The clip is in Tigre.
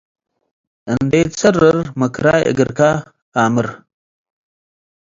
እንዴ ኢትሰርር ምክራይ እግርካ ኣምር።